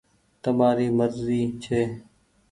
تمآري مرزي ڇي۔